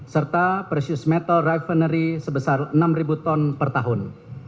serta precious metal rivenery sebesar enam ton per tahun